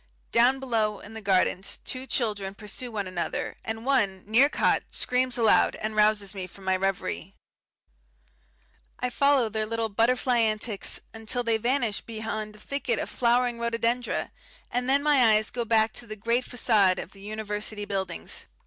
Down below in the gardens two children pursue one another, and one, near caught, screams aloud and rouses me from my reverie. I follow their little butterfly antics until they vanish beyond a thicket of flowering rhododendra, and then my eyes go back to the great facade of the University buildings.